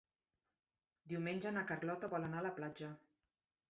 Diumenge na Carlota vol anar a la platja.